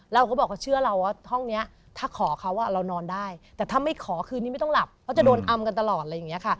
เราก็บอกเขาเชื่อเราว่าห้องนี้ถ้าขอเขาเรานอนได้แต่ถ้าไม่ขอคืนนี้ไม่ต้องหลับเพราะจะโดนอำกันตลอดอะไรอย่างนี้ค่ะ